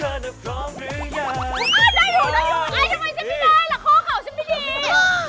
อ้าวได้อยู่ได้อยู่ไอ้ยทำไมฉันไม่ได้หลักโค้กข่าวฉันไม่ดี